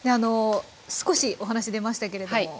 少しお話出ましたけれども。